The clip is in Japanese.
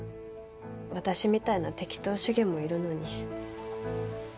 私みたいな適当主義もいるのに。